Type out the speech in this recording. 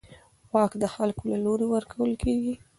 واک د خلکو له لوري ورکول کېږي